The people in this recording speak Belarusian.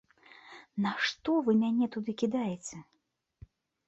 На што вы мяне туды кідаеце?